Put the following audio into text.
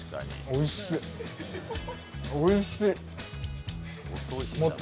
おいしっ！